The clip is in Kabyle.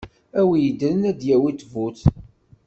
A wi yeddren ad d-yawi ttbut.